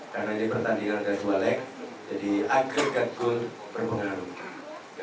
karena ini pertandingan ada dua leg jadi agregat gol berpengaruh